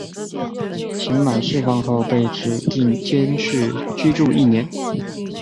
刑满释放后被指定监视居住一年。